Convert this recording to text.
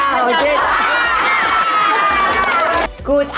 อะไรมั้ยครับ